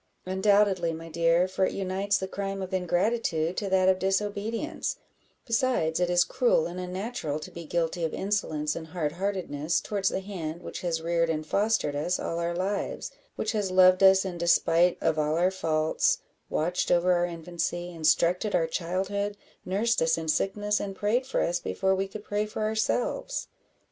"Undoubtedly, my dear, for it unites the crime of ingratitude to that of disobedience; besides, it is cruel and unnatural to be guilty of insolence and hard heartedness towards the hand which has reared and fostered us all our lives which has loved us in despite of our faults watched over our infancy instructed our childhood nursed us in sickness, and prayed for us before we could pray for ourselves."